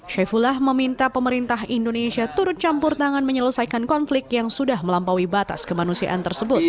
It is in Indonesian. syaifullah meminta pemerintah indonesia turut campur tangan menyelesaikan konflik yang sudah melampaui batas kemanusiaan tersebut